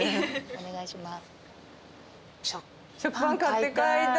お願いします。